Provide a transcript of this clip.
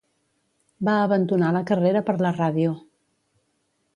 Va abandonar la carrera per la ràdio.